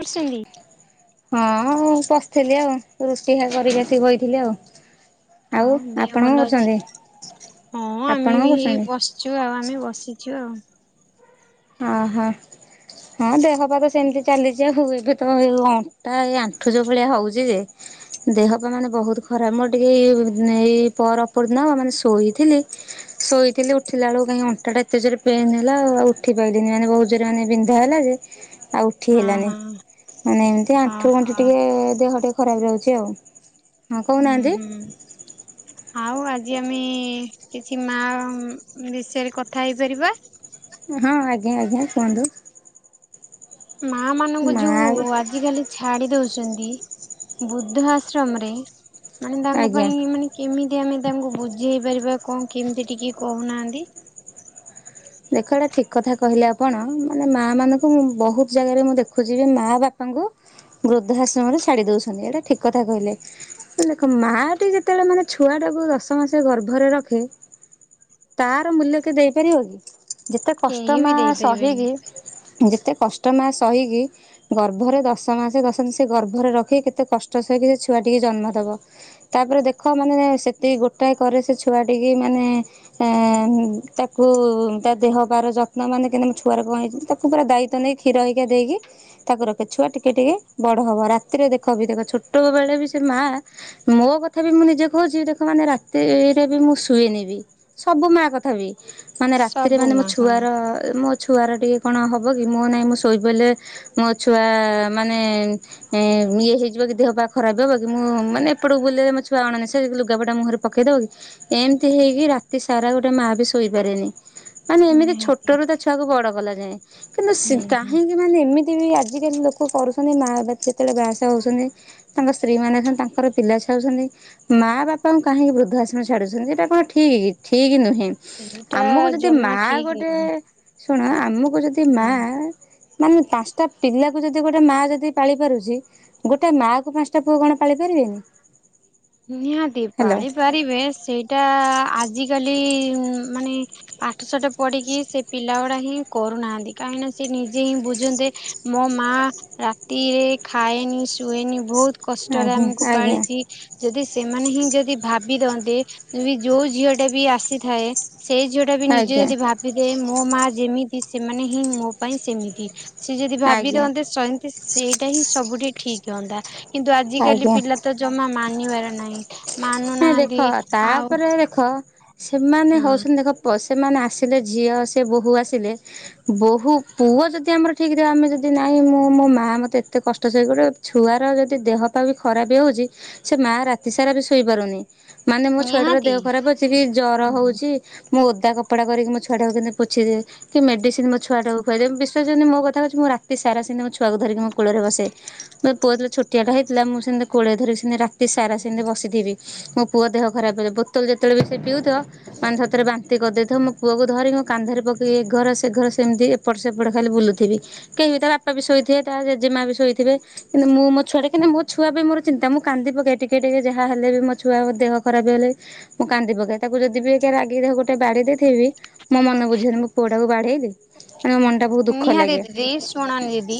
କରୁଛନ୍ତି [unintelligible] ହଁ ବସିଥିଲି ଆଉ ରୁଟି ହେକା କରିକି ଆସିକି ବଇ ଥିଲି ଆଉ। ଆଉ ଦିଅ ଆପଣ କଣ ଭଲ ଅଛି କରୁଛନ୍ତି? ହଁ ଆପଣ ଆମେ କଣ ବି କରୁଛନ୍ତି? ବସ ଚୁ ଆଉ ଆମେ ବସିଛୁ ଆଉ। ହଁ ହଁ। ହଁ ଦେହ ପାଆ ସେମିତି ଚାଲିଛି ଆଉ ଏବେ ତ ଅଣ୍ଟା ଏଇ ଆଣ୍ଠୁ ଯୋଉ ଭଳିଆ ହଉଛି ଯେ ଦେହ ପା ମାନେ ବହୁତ ଖରାପ ମୁଁ ଟିକେ ଏଇ ଏଇ ପର ଅପରି ଦିନ ମାନେ ଶୋଇଥିଲି ଶୋଇଥିଲି ଉଠିଲା ବେଳକୁ କାହିଁ ଅଣ୍ଟା ଟା ଏତେ ଜୋରେ ପେନ୍ ହେଲା ଆଉ ଉଠି ପାଇଲିନି ମାନେ ବହୁତ ଜୋରେ ମାନେ ବିନ୍ଧା ହେଲା ଯେ ଆଉ ଉଠି ହଁ ହେଲାନି ହଁ। ମାନେ ଏମିତି ଆଣ୍ଠୁ ଓହୋ। ଗଣ୍ଠି ଟିକେ ଦେହ ଟିକେ ଖରାପ ରହୁଛି ଆଉ। ହଁ ହୁଁ କହୁନାହାନ୍ତି ହୁଁ। ଆଉ ଆଜି ଆମେ କିଛି ମା ବିଷୟରେ କଥା ହେଇପାରିବା? ହଁ ଆଜ୍ଞା ଆଜ୍ଞା କୁହନ୍ତୁ। ମା ମାନଙ୍କୁ ମା ଯୋଉ ଆଜିକାଲି ଛାଡି ଦଉଛନ୍ତି ବୁଦ୍ଧ ଆଶ୍ରମରେ ମାନେ ତାଙ୍କ ଆଜ୍ଞା। ପାଇଁ ମାନେ କେମିତି ଆମେ ତାଙ୍କୁ ବୁଝିଇ ପାରିବା କଣ କେମିତି ଟିକିଏ କହୁନାହାନ୍ତି? ଦେଖ ଏଇଟା ଠିକ୍ କଥା କହିଲେ ଆପଣ ମାନେ ମାଆ ମାନଙ୍କୁ ମୁଁ ବହୁତ ଜାଗାରେ ମୁଁ ଦେଖୁଛି ଯେ ମାଆ ବା ବାପା ଙ୍କୁ ବୃଦ୍ଧାଶ୍ରମରେ ଛାଡି ଦଉଛନ୍ତି ଏଇଟା ଠିକ କଥା କହିଲେ। ଦେଖ ମା ଟି ଯେତେବେଳେ ମାନେ ଛୁଆ ଟାକୁ ଦଶ ମାସ ଗର୍ଭରେ ରଖି। ତାର ମୂଲ୍ୟ କିଏ ଦେଇପାରିବ କି? ଯେତେ କେହି କଷ୍ଟମା ବି ଦେଇପାରିବେନି। ସହିକି ଯେତେ କଷ୍ଟମା ସହିକି ଗର୍ଭରେ ଦଶ ମାସେ ଦଶ ଦିନ ସେ ଗର୍ଭରେ ରଖିକି କେତେ କଷ୍ଟ ସହିକି ସେ ଛୁଆ ଟିକେ ଜନ୍ମ ଦବ। ତାପରେ ଦେଖ ମାନେ ସେତିକି ଗୋଟାଏ କରେ ସେ ଛୁଆଟିିକି ମାନେ ଏଁ ତାକୁ ତା ଦେହ ପାର ଯତ୍ନ ମାନେ କେନ୍ତୁ ମୁଁ ଛୁଆକୁ କଣ ହେଇଛି ତାକୁ ପୁରା ଦାୟିତ୍ୱ ନେଇ କ୍ଷୀର ହେକା ଦେଇକି ତାକୁରଖେ ଛୁଆ ଟିକେ ଟିକେ ବଡ ହବ ରାତିରେ ଦେଖ ବି ଦେଖ ଛୋଟ ବେଳେ ବି ସେ ମା ମୋ କଥା ବି ମୁଁ ନିଜେ କହୁଛିି ଦେଖ ମାନେ ରାତିରେ ବି ମୁଁ ଶୁଏନି ବି। ସବୁ ମା କଥା ବି। ସବ୍ ସେ ମାନେ ମୋ ଛୁଆର ମୋ ଛୁଆର ଟିକେ କଣ ହବ କି ମୋ ନାହିଁ ମୁଁ ଶୋଇପଇଲେ ମୋ ଛୁଆ ମାନେ ଏ ଇଏ ହେଇଯିବ କି ଦେହ ପା ଖରାପ ହେବ କି ମୁଁ ମାନେ ଏପଟକୁ ବୁଲିଲେ ମୋ ଛୁଆ ଅଣନିସ୍ଵାଶି ଲୁଗାପଟା ମୁଁହରେ ପକେଇ ଦବ କି ଏମିତି ହେଇକି ରାତି ସାରା ଗୋଟେ ମା ବି ଶୋଇପାରେନି। ମାନେ ଏମିତି ନିହାତି। ଛୋଟରୁୁ ତା ଛୁଆକୁ ବଡ କଲା ଯାଏ କିନ୍ତୁ ସେ ହୁଁ ହୁଁ। କାହିଁକି। ମାନେ ଏମିତି ବି ଆଜିକାଲି ଲୋକ କରୁଛନ୍ତି ମା ବା ଯେତେବେଳେ ବାହା ଶାହା ହଉଛନ୍ତି। ତାଙ୍କ ସ୍ତ୍ରୀ ମାନେ ହଉଛନ୍ତି ତାଙ୍କର ପିଲା ଝୁଆ ହଉଛନ୍ତି ମାଁ ବାପାଙ୍କୁ କାହିଁକି ବୃଦ୍ଧାଆଶ୍ରମ ଛାଡୁଛନ୍ତି ଏଇଟା କଣ ଠିକ୍ କି ଠିକ୍ ନୁହେଁ। ସେଇଟା ଆମକୁ ଯଦି ମା ଜମା ଠିକ ଗୋଟେ ନୁହେଁ। ଶୁଣ ଆମକୁ ଯଦି ମା ହୁଁ। ମାନେ ପାଞ୍ଚଟା ପିଲାକୁ ଯଦି ଗୋଟେ ମା ଯଦି ପାଳି ପାରୁଛି। ଗୋଟେ ମାଆ କୁ ପାଞ୍ଚଟା ପୁଅ କଣ ପାଳି ପାରିବେନି? ନିହାତି ହ୍ୟାଲୋ ପାଳିପାରିବେ ସେଇ ଟା ଆଜିକାଲି ମାନେ ପାଠସାଠ ପଢିକି ସେ ପିଲା ଗୁଡା ହିଁ କରୁନାହାନ୍ତି କାହିଁକିନା ସେ ନିଜେ ହିଁ ବୁଝନ୍ତେ ମୋ ମା ରାତିରେ ଖାଏନି ଶୁଏନି ବହୁତ କଷ୍ଟରେ ଆଜ୍ଞା ଆମକୁ ଆଜ୍ଞା ପାଳିଛି। ଯଦି ସେମାନେ ହିଁ ଯଦି ଭାବି ଥାନ୍ତେ ଯୋଉ ଝିଅ ଟା ବି ଆସିଥାଏ। ସେଇ ଝିଅ ଟା ବି ନିଜେ ଆଜ୍ଞା ଯଦି ଭାବିଦେଏ ମୋ ମା ଯେମିତି ସେମାନେ ହିଁ ମୋ ପାଇଁ ସେମିତି। ସିଏ ଯଦି ଭାବି ଆଜ୍ଞା ଦଅନ୍ତେ ସେତି ସେଇଟା ହିଁ ସବୁଠେ ଠିକ ହୁଅନ୍ତା କିନ୍ତୁ ଆଜିକାଲି ଆଜ୍ଞା। ପିଲା ତ ଜମା ମାନିବାର ନାହିଁ ନା ମାନୁନାହାନ୍ତି ଦେଖ ଆଉ ତାପରେ ଦେଖ ସେମାନେ ହଁ। ହଉଛନ୍ତି ଦେଖ ସେମାନେ ଆସିଲେ ଝିଅ ସେ ବୋହୂ ଆସ ଥିଲେ ବୋହୂ ପୁଅ ଯଦି ଆମର ଠିକ୍ ଥିବ ଆମେ ଯଦି ନାହିଁ ମୁଁ ମୋ ମାଆ ମୋତେ ଏତେ କଷ୍ଟ ସହି ଗଡ଼େ ଛୁଆର ଯଦି ଦେହ ପା ବି ଖରାପ ହଉଛି ସେ ମା ରାତି ସାରା ବି ସୋ ଶୋଇପାରୁନି ମାନେ ମୋ ଛୁଆଟାର ନିହାତି ଦେହ ଖରାପ ଅଛି କି ଜର ହଉଛି। ମୁଁ ଓଦା କପଡ଼ା କରିକି ମୋ ଛୁଆଟାକୁ କେନ୍ତେ ପୋଛିିଦିଏ। କି ମେଡିସିନ ମୋ ଛୁଆଟାକୁୁ ଖୁଆଇଦିଏ ବିଶ୍ୱାସ କରିବନି ମୋ କଥା କହୁଛିଁ ରାତିସାରା ମୋ ଛୁଆଟାକୁ ଧରିକିଁ କୋଳରେ ବସେ। ମୋ ପୁଅ ଥିଲା ଛୋଟିଆଟା ହେଇଥିଲା ମୁଁ ସେମିତି କୋଳରେ ଧରି ସେମତି ରାତି ସାରା ସେତି ବସିଥିଲି। ମୋ ପୁଅ ଦେହ ଖରାପଥିବ ବୋତଲ ଯେତେବେଳେ ବି ସେ ପିଉଥିବ। ମାନେ ତରେ ବାନ୍ତି କରିଦେଇଥାଉ ମୋ ପୁଅକୁ ଧରିିକି ମୋ କାନ୍ଧରେ ପକେଇ ଏ ଘର ସେ ଘର ସେମିତି ଏପଟ ସେପଟେ ଖାଲି ବୁଲୁଥିବି କେହି ବିି ତା ବାପା ବି ଶୋଇଥିବେ ତା ଜେଜେମା ବି ଶୋଇଥିବେ। କିନ୍ତୁ ମୁଁ ମୋ ଛୁଆ ମୋ ଛୁଆ ପାଇଁ ମୋର ଚିତା ମୁଁ କାନ୍ଦି ପକାଏ ଟିକେ ଟିକେ ଯାହା ହା ହେଲେ ବି ମୋ ଛୁଆର ଦେହ ଖରାପ ହେଲେ। ମୁଁ କାନ୍ଦିପକାଏ ତାକୁ ଯଦି ବି ଗୋଟେ ରାଗିକି ଗୋଟେ ବାଡେଇ ଦେଇଥିବି। ମୋ ମନ ବୁଝିବନି ମୋ ପୁଅଟାକୁ ବାଡେଇଲି। ମୋ ମନଟା ପୁ ନିହାତି ଦିଦି ଶୁଣ ଦିଦି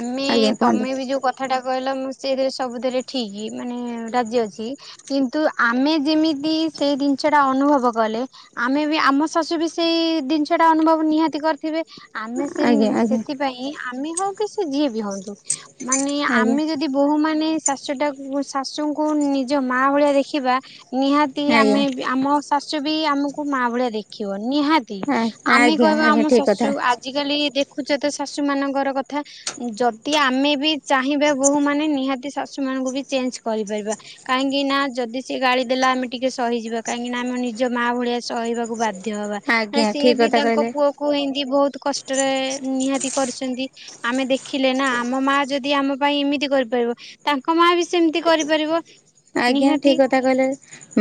ଆମେ ଆଜ୍ଞା କୁହନ୍ତୁ ତମେ ବି ଯୋଉ କ କଥାଟା କହିଲା ମୁଁ ସେଥିରେ ସବୁଥିରେ ଠିକ୍ ମାନେ ରାଜି ଅଛି। କିନ୍ତୁ ଆମେ ଯେମିତି ସେଇ ଜିନିଷ ଟା ଅନୁଭବ କଲେ। ଆମେ ବି ଆମ ଶାଶୁ ବି ସେଇ ଜିନିଷ ଟା ଅନୁଭବ ନିହାତି କରିଥିବେ ଆମେ ସେ ଆଜ୍ଞା ଆଜ୍ଞା ସେଥି ପାଇଁ ଆମେ ହଉ କି ସେ ଯିଏ ବି ହଅନ୍ତୁ ମାନେ ଆଜ୍ଞା ଆମେ ଯଦି ଯଦି ବୋହୂ ମାନେ ଶାଶୁଟା ଶାଶୁଙ୍କୁ ନିଜ ମା ଭଳିଆ ଦେଖିବା ନିହାତି ଆଜ୍ଞା ଆମେ ଆମ ଶାଶୁ ବି ଆମକୁ ମାଆ ଭଳିଆ ଦେଖିବ ନିହା ତୀ ଆଜ୍ଞା ଆମେ ଆଜ୍ଞା କହିବା ଆଜ୍ଞା ଆମ ଠିକ୍ ସାଶୁ କଥା ଆ ଆଜିକାଲି ଦେଖୁଛେ ତ ଶାଶୁମାନଙ୍କର କଥା ଯଦି ଆମେ ବି ଚାହିଁବା ବୋହୁମାନେ ନିହାତି ଶାଶୁମାନଙ୍କୁ ବି ଚେଞ୍ଜ କରିପାରିବା କାହିଁକି ନା ଯଦି ସେିଏ ଗାଳି ଦେଲା ଆମେ ଟିକେ ସହିଯିବା କାହିଁକି ନା ଆମେ ନିଜ ମାଆ ଭଳିଆ ସହିବାକୁ ବାଦ ଧ୍ୟହବା ଆଜ୍ଞା ସିଏ ଠିକ ବି କଥା ତାଙ୍କ କହିଲେ ପୁଅକୁ ଏମତି ବହୁତ କଷ୍ଟରେ ନିହାତି କରିଛନ୍ତି। ଆମେ ଦେଖିଲେ ନା ଆମ ମା ଯଦି ଆମ ପାଇଁ ଏମିତି କରିପାରିବ। ତାଙ୍କ ମା ବି ସେମିତି କରିପାରିବ। ଆଜ୍ଞା ନିହାତି ଠିକ କଥା କହିଲେ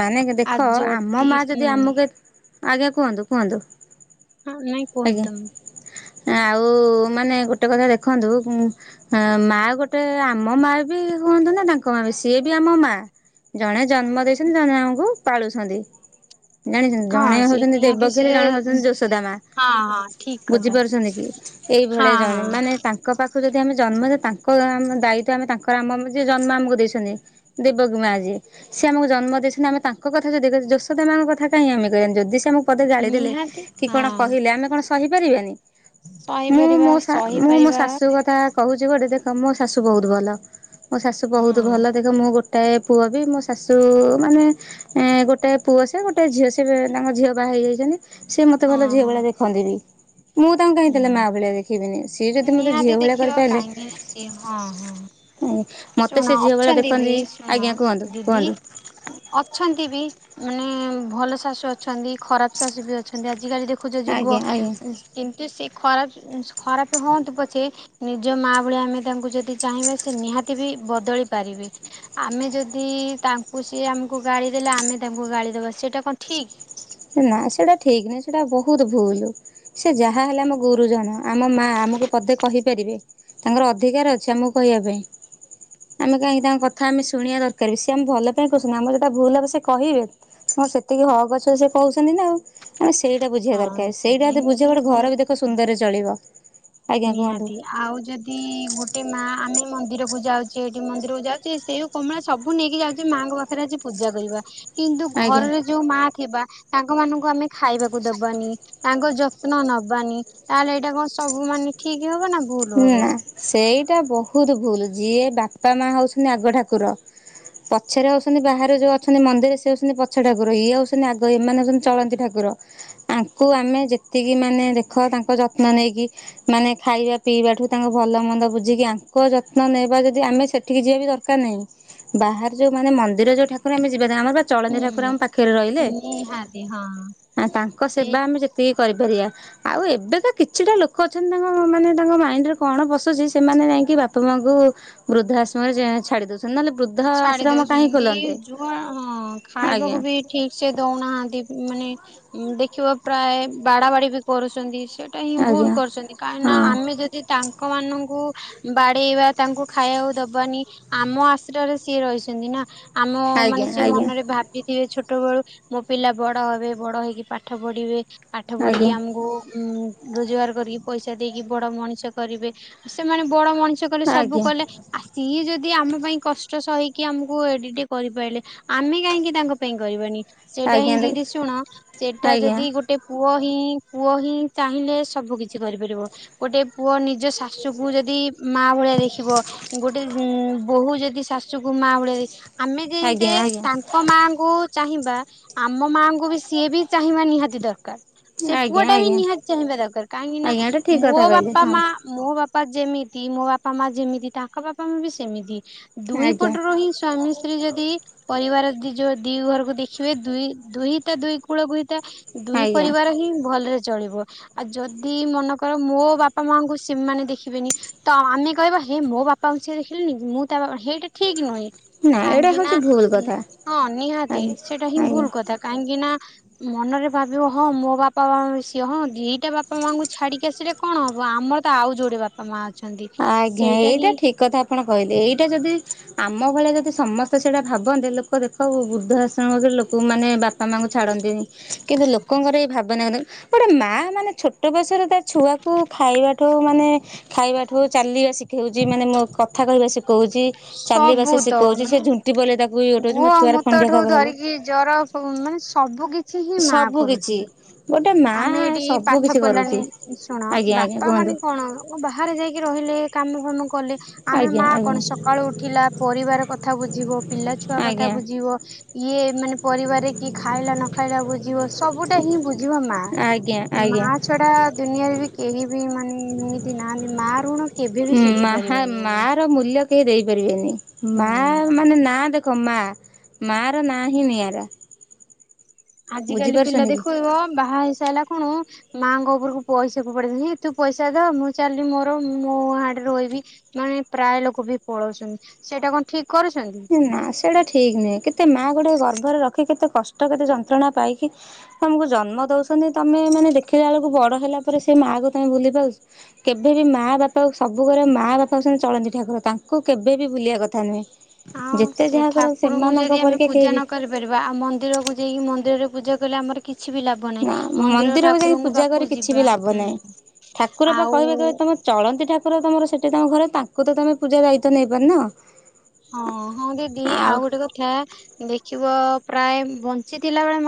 ମାନେ ଆ ଦେଖ ଆମ ଯଦି ମା ହୁଁ ଯଦି ଆମକୁ ଏ ଆଜ୍ଞା କୁହନ୍ତୁ କୁହନ୍ତୁ? ହଁ ନାଇଁ କୁହନ୍ତ ଆଜ୍ଞା। ତମେ ଆଉ ମାନେ ଗୋଟେ କଥା ଦେଖନ୍ତୁ? ହ ମା ଗୋଟେ ଆମ ମାଆ ବି ହୁଅନ୍ତୁ ନା ତାଙ୍କ ମାଆ ବି ସିଏ ବି ଆମ ମାଆ। ଜଣେ ଜନ୍ମ ଦେଇଛନ୍ତି ଜଣେ ଆମକୁ ପାଳୁଛନ୍ତି। ଜାଣିଛନ୍ତି ଜଣେ ହଁ ସେ ହଉଛନ୍ତି ନିହାତି ଦେବକି ସେ ଜଣେ ହଉଛନ୍ତି ଯୋଶୋଦା ମା। ହଁ ହଁ ଠିକ କଥା। ବୁଝିପାରୁଛନ୍ତି କି ଏଇଭଳିଆ ହଁ ଜଣେ ହଁ ମାନେ ତାଙ୍କ ତାଙ୍କ ପାଖକୁ ଯଦି ଆମେ ଜନ୍ମ ଦେ ତାଙ୍କ ଆମ ଦାୟିତ୍୍ୱ ଆମେ ତାଙ୍କର ଆମ ଯ ଜନ୍ମ ଆମକୁ ଦେଇଛନ୍ତି। ଗ ମା ଆଜି ସିଏ ଆମକୁ ଜନ୍ମ ଦେଇଛନ୍ତି ଆମେ ତାଙ୍କ କଥା ଯଦି ଯୋଶୋଦା ମା ଙ୍କ କଥା ଆମେ [inaudible] ପଦେ ଜାଳିଦେଲେ ନିହାତି କି କଣ ହଁ। କହିଲେ ଆମେ କଣ ସହିପାରିବାନି। ମୁଁ ସହିପାରିବା ମୋ ମୁଁ ମୋ ସହିପାରିବା ଶାଶୁ କଥା କହୁଛି ଗୋଟେ ଦେଖ ମୋ ଶାଶୁ ବହୁତ ଭଲ ମୋ ଶାଶୁ ବହୁତ ଭଲ ହଁ। ଦେଖ ମୁଁ ଗୋଟେ ଗୋଟେ ପୁଅ ବି ମୋ ଶାଶୁ ମାନେ ଏଁ ଗୋଟେ ପୁଅ ସେ ଗୋଟେ ଝିଅ ସେ ତାଙ୍କ ଝିଅ ବାହା ହେଇ ଯାଇଛନ୍ତି। ସେ ମତେ ଭଲ ଝିଅ ହଁ। ଭଳିଆ ଦେଖନ୍ତି ବି ମୁଁ ତାଙ୍କୁ କାହିଁ ତାହେଲେ ମା ହୁଁ। ଭଳିଆ ଦେଖିବିନି। ସିଏ ଯଦି ମତେ ଝିଅ ନିହାତି ଭଳିଆ ଦେଖିବ କରିପାରିଲେ। କାହିଁକି ନା ସିଏ ହଁ ହଁ ମତେ ଶୁଣ ସେ ଝିଅ ଭଳିଆ ଅଛନ୍ତି ବି ଦେଖନ୍ତି ଶୁଣ ଆଜ୍ଞା କୁହନ୍ତୁ ଦିଦି କୁହନ୍ତୁ। ଅଛନ୍ତି ବି ମାନେ ଭଲ ଶାଶୁ ଅଛନ୍ତି ଖରାପ ଶାଶୁ ବି ଅଛନ୍ତି। ଆଜିକାଲି ଦେଖ ଦେଖୁଛ ଯୁଗ ଆଜ୍ଞା ଆଜ୍ଞା। କିନ୍ତୁ ସେ ଖରାପ ଖରାପ ହୁଅନ୍ତୁ ପଛେ ନିଜ ମା ଭଳିଆ ଆମେ ତାଙ୍କୁ ଯଦି ଚାହିଁ ସେ ନିହାତି ବି ବଦଳି ପାରିବେ। ଆମେ ଯଦି ତାଙ୍କୁ ସି ଆମକୁ ଗାଳି ଦେଲେ ଆମେ ତାଙ୍କୁ ଗାଳି ଦବା ସେଟା କଣ ଠିକ୍? ନା ସେଟା ଠିକ ନହିଁ ସେଟା ବହୁତ ଭୁଲ। ସେ ଯାହା ହେଲେ ଆମ ଗୁରୁଜନ ଆମ ମା ଆମକୁ ପଦେ କହିପାରିବେ। ତାଙ୍କର ଅଧିକାର ଅଛି ଆମକୁ କହିବା ପାଇଁ। ଆମେ କାହିଁକି ତାଙ୍କ କଥା ଆମେ ଶୁଣିବା ଦରକାର ବି ସିଏ ଆମେ ଭଲ ପାଇଁ କହୁଚନ୍ତି ଆମର ଯଉଟା ଭୁଲ ହବ ସେ କହିବେ। ହ ସେତିକି ହକ ଅଛି ବୋଲି ସେ କହୁଛନ୍ତି ନା ଆଉ। ମାନେ ସେଇଟା ବୁଝିବା ହଁ ଦରକାର ସେଇଟା ସେଇଟାତେ ହିଁ ଠିକ୍ ବୁଝିବା ଯେ ଘର ବି ଦେଖ ସୁନ୍ଦରରେ ଚଳିବ। ଆଜ୍ଞା କୁହନ୍ତୁ। ନିହାତି ଆଉ ଯଦି ଗୋଟେ ମା ଆମେ ମନ୍ଦିରକୁ ଯାଉଛେ ଏଠି ମନ୍ଦିରକୁ ଯାଉଛେ ସେଉ କମଳା ସବୁ ନେଇକି ଯାଉଛେ ମାଆଙ୍କ ପାଖ ରେ ଆଜି ପୂଜା କରିବା କିନ୍ତୁ ଆଜ୍ଞା ଘରରେ ଯୋଉ ମା ଥିବା ତାଙ୍କ ମାନଙ୍କୁ ଆମେ ଖାଇବାକୁ ଦବାନି। ତାଙ୍କ ଯତ୍ନ ନବାନି ତାହେଲେ ଏଇଟା କଣ ସବୁ ମାନେ ଠିକ ହବ ନା ଭୁଲ ନା ହବ? ସେଇଟା ବହୁତ ଭୁଲ ଯିଏ ବାପା ମା ହଉଛନ୍ତି ଆଗ ଠାକୁର। ପଛରେ ହଉଛନ୍ତି ବାହାରେ ଯୋଉ ଅଛନ୍ତି ମନ୍ଦିରରେ ସେ ହଉଛନ୍ତି ପଛ ଠାକୁର ଇଏ ହଉଛନ୍ତି ଆଗ ଏମାନେ ହଉଛନ୍ତି ଚଳନ୍ତି ଠାକୁର। ଆଙ୍କୁ ଆମେ ଯେତିକି ମାନେ ଦେଖ ତାଙ୍କ ଯତ୍ନ ନେଇକି ମାନେ ଖାଇବା ପିଇବାଠୁ ତାଙ୍କ ଭଲ ମନ୍ଦ ବୁଝିକି ଆଙ୍କ ଯତ୍ନ ନେବା ଯଦି ଆମେ ସେଠିକି ଯିବା ବି ଦରକାର ନାହିଁ। ବାହାର ଯୋଉ ମାନେ ମନ୍ଦିର ଯୋଉ ଠାକୁ ଆମ ଯିବା ଆମର ଚଳନ୍ତି ଠାକୁର ଆମ ହୁଁ। ପାଖରେ ରହିଲେ ନିହାତି ହଁ। ତାଙ୍କ ସେଇ ସେବା ଆମେ ଯେ ଟେ କରିପାରିବା ଆଉ ଏବେକା କିଛିଟା ଲୋକ ଅଛନ୍ତି ତାଙ୍କ ମାନେ ତାଙ୍କ ମାଇଣ୍ଡ ରେ କଣ ପଶୁଛି ସେମାନେ ଯାଇକି ବାପା ମାଙ୍କୁ ବୃଦ୍ଧାଶମରେ ଛାଡି ଦଉ [inaudible] ଛାଡି ଦଉଛନ୍ତି ଯୁ ହଁ ଆଜ୍ଞା ଖାଇବାକୁ ବି ଠିକ ସେ ଦଉନାହାନ୍ତି ମାନେ ଦେଖିବ ପ୍ରାୟ ବାଡା ବାଡି ବି କରୁଛନ୍ତି। ସେଇଟା ହିଁ ଭୁଲ ଆଜ୍ଞା କରୁଛନ୍ତି କାହିଁକିନା ହଁ ଆମେ ଯଦି ତାଙ୍କ ଲୋକମାନଙ୍କୁ ବାଡ଼େଇବା ତାଙ୍କୁ ଖାଇବାକୁ ଦବାନି ଆମ ସିଏ ରହିଛନ୍ତି ନା ଆମ ମାନେ ଆଜ୍ଞା ସି ଆଜ୍ଞା ମନରେ ଭାବ ଥିବେ ଛୋଟବେେଳୁ ମୋ ପିଲା ବଡ ହବେ ବଡ ହେଇକି ପାଠ ପଢିବେ। ପାଠ ପଢିକି ଆଜ୍ଞା ଆମକୁ ଉ ରୋଜଗାର କରିକି ପଇସା ଦେଇକି ବଡ ମଣିଷ କରିବେ, ସେମାନେ ବଡ ମଣିଷ କଲେ ସବୁ ଆଜ୍ଞା କଲେ। ଆ ସିଏ ଯଦି ଆମ ପାଇଁ କଷ୍ଟ ସହିକି ଆମକୁ ଏଡିଟେ କରିପାରିଲେ, ଆମେ କାହିଁକି ତାଙ୍କ ପାଇଁ କରିବାନି। ସେଇଟା ଆଜ୍ଞା ହିଁ ଦେ ଦିଦି ଶୁଣ ସେଇଟା ଆଜ୍ଞା ଯଦି ଗୋଟେ ପୁଅ ହିଁ ପୁଅ ହିଁ ଚାହିଁଲେ ସବୁ କିଛି କରିପାରିବ, ଗୋଟେ ପୁଅ ନି ଜ ଶାଶୁକୁ ଯଦି ମା ଭଳିଆ ଦେଖିବ, ଗୋଟେ ଉ ବୋହୂ ଯ ଦି ଶାଶୁକୁ ମା ଭଳିଆ ଦେ ଆମେ ଯେମ ଆଜ୍ଞା ଆଜ୍ଞା ତା ଙ୍କ ମାଙ୍କୁ ଚାହିଁବା, ଆମ ମାଙ୍କୁ ବି ସିଏ ବି ଚାହିଁବା ନିହାତି ଦରକାର। ସେ ପୁଅ ଆଜ୍ଞା ଟା ବି ଆଜ୍ଞା ନିହାତି ଚାହିଁବା ଦରକାର, କାହିଁକି ନା ଆଜ୍ଞା ଏଇଟା ଠିକ ମୋ କଥା କହିଲେ ବାପା ହଁ ମା ମୋ ବାପା ଯେମିତି ମୋ ବାପା ମା ଯେମିତି ତାଙ୍କ ବାପା ମା ବି ସେମିତି। ଦୁଇ ଆଜ୍ଞା ପଟରୁ ହିଁ ସ୍ୱାମୀ ସ୍ତ୍ରୀ ଯଦି ପରିବାର ଯି ଯୋଉ ଦି ଘରକୁ ଦେଖିବେ ଦୁଇ ଦୁହିତା ଦୁଇ କୂଳକୁ ହିତା ଦୁଇ ଆଜ୍ଞା ପରିବାର ହିଁ ଭଲରେ ଚଳିବ। ଆଉ ଯଦି ମନେ କର ମୋ ବାପା ମାଙ୍କୁ ସେମାନେ ଦେଖିବେନି। ତ ଆମେ କହିବା ହେ ମୋ ବାପାଙ୍କୁ ସିଏ ଦେଖିଲେନି, ମୁଁ ତା ବା ହେଇଟା ଠିକ ନୁହେଁ। ନା ଏଇଟା କାହିଁକି ହଉଛି ନା ଭୁଲ ଉ କଥା ହଁ ନିହାତି ଆଜ୍ଞା ସେଇଟା ହିଁ ଆଜ୍ଞା ଭୁଲ କଥା, କାହିଁକି ନା ମନରେ ଭାବିବ ହଁ ମୋ ବାପା ମା ବି ସିଏ, ହଁ ଦିଟା ବାପା ମାଙ୍କୁ ଛାଡିକି ଆସିଲେ କଣ ହବ ଆମର ତ ଆଉ ଯୋଡ଼େ ବାପା ମା ଅଛନ୍ତି ସେଇଟା ହିଁ କଣ କହିଲେ ଏଇଟା ଯଦି ଆମ ଭଳିଆ ଯଦି ସମସ୍ତେ ସେଇଟା ଭାବନ୍ତେ, ଲୋକ ଦେଖ ବୃଦ୍ଧ ଆଶ୍ରମ ବି ଲୋକ ଙ୍କୁ ମାନେ ବାପା ମାଆଙ୍କୁ ଛାଡ଼ନ୍ତେନି କିନ୍ତୁ ଲୋକଙ୍କର ଏଇ ଭାବନାରେ ଗୋଟେ ମା ମାନେ ଛୋଟ ବୟସରେ ତା ଛୁଆକୁ ଖାଇବାଠୁ ମାନେ ଖାଇବା ଠ କୁ ଚାଲିବା ଶିଖଉଛି ମାନେ ମୁଁ କଥା କହିବା ଶିଖଉଛି। ଚାଲିବା ସବୁ ସେ ତ ସିଖଉଛି ସେ ମାନେ ଝୁଣ୍ଟି ପଇଲେ ତାକୁ ଇଏ ଉଠଉଛି ମୋ ଛୁଆର ଖଣ୍ଡିଆ ଖାବରା ହେଲେ। ଉଁ ମାନେ ସବୁ କିଛି ହିଁ ମା କରୁଛି। କିଛି ଗୋଟେ ମା ଆମେ ଏଇଠି ସବୁ ପାଠ କିଛି କରୁଛି ପଢ଼ିଲାଣି ଶୁଣ ଆଜ୍ଞା ଆଜ୍ଞା ବାପା କୁହନ୍ତୁ ମାନେ କଣ ବାହାରେ ଯାଇକି ରହିଲେ, କାମ ଫାମ କଲେ ଆମେ ଆଜ୍ଞା ମା ଆଜ୍ଞା କଣ ସ କାଳୁ ଉଠିଲା ପରିବାର କଥା ବୁଝିବ ପିଲା ଛୁଆ କଥା ଆଜ୍ଞା ବୁଝିବ। ଇଏ ମାନେ ପରିବାରରେ କିଏ ଖାଇଲା ନ ଖାଇଲା ବୁଝିବ ସବୁଟା ହିଁ ବୁଝିବ ମା। ଆଜ୍ଞା ଆଜ୍ଞା। ଛଡ଼ା ଦୁନିଆରେ ବି କେହି ବି ମାନେ ଏମିତି ନାହାନ୍ତି ମା ଋଣ କେବେ ବି ହୁଁ ସୁଝି ମାହା ପାରିବାନି ମା ଆମେ। ର ମୂଲ୍ୟ କେହି ଦେଇପାରିବେନି, ମା ହୁଁ। ମାନେ ନାଁ ଦେଖ ମା ମାର ନାଁ ହିଁ ନିଆରା। ଆଜିକାଲି ପିଲା ବୁଝିପାରୁଛନ୍ତି କି? ଦେଖୁଉବ ବାହା ହେଇସାଲା କଣ ମାଙ୍କ ଉପରକୁ ପଇସା ଫୋପାଡ଼ିିଦେ ତୁ ପଇସା ଧ ମୁଁ ଚାଲଲିି ମୋର ମୁ ହାଡେ ରହିବି। ମାନେ ପ୍ରାୟ ଲୋକ ବି ପଳଉଛନ୍ତି ସେଇଟା କଣ ଠିକ କରୁଛନ୍ତି। ଏ ନା ସେଇଟା ଠିକ ନୁହେଁ, କେତେ ମା ଗୋଟେ ଗର୍ବରେ ରଖି କେତେ କଷ୍ଟ କେତେ ଯନ୍ତ୍ରଣା ପାଇକି ତମକୁ ଜନ୍ମ ଦଉଛନ୍ତି, ତମେ ମାନେ ଦେଖିଲା ବେଳକୁ ବଡ ହେଲା ପରେ ସେ ମା କୁ ତମେ ଭୁଲି ପାଉଛ। କେବେ ବିି ମାଆ ବାପା ସବୁ କର, ମାଆ ବାପା ହଉଛନ୍ତି ଚଳନ୍ତି ଠାକୁର ତାଙ୍କୁ କେବେ ବିି ଭୁଲିବା କଥା ନୁହେଁ। ଆଉ ଯେତେ ସେଇ ଯାହା କର ଠାକୁରଙ୍କୁ ସେମାନଙ୍କ ଯଦି ଆମେ ପରିକା କେହି ପୂଜା ବି ନ କରି ବା ଆଉ ମନ୍ଦିରକୁ ଯାଇକି ମନ୍ଦିରରେ ପୁଜା କଲେ ଆମର କିଛି ବି ଲାଭ ନାହିଁ ନା ମନ୍ଦିର ମନ୍ଦିରକୁ ଯାଇକି ଠାକୁରଙ୍କ ପୂଜା କରି ପାଖକୁ କିଛି ଯିବା ବି ଲାଭ ହୁଁ। ନାହିଁ, ଠାକୁର ପା କହିବେ ଆଉ କହିବେ ତମେ ଚଳନ୍ତି ଠାକୁର ତମର ସେଠି ତମ ଘର ତାଙ୍କୁ ତ ତମେ ପୂଜା ଦାୟିତ୍ବ ନେଇପାରୁନ। ହଁ ହଁ ଦିଦି ଆଉ ଗୋଟେ କଥା ଦେଖିବ ପ୍ରାୟ ବଞ୍ଚିଥିଲା ବେଳେ ମ